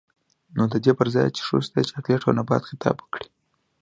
نـو د دې پـر ځـاى چـې ښـځـو تـه د چـاکـليـت او نـبـات خـطاب وکـړي.